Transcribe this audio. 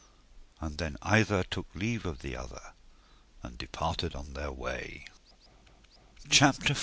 And then either took leave of other, and departed on their way. CHAPTER V.